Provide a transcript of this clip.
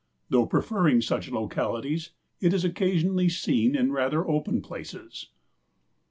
Though preferring such localities, it is occasionally seen in rather open places.